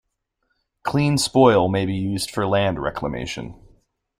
Clean spoil may be used for land reclamation.